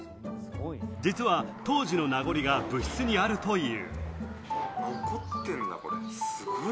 実は当時の名残が部室にあるという。